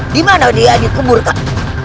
di mana dia dikubur kak